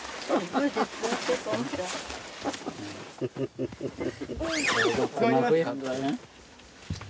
フフフフ！